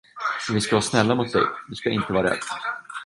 Men vi ska vara snälla mot dig, du ska inte vara rädd.